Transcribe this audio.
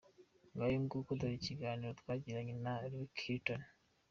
Ngayo nguko dore ikiganiro twagiranye na Rick Hilton.